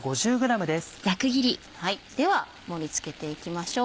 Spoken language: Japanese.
では盛り付けていきましょう。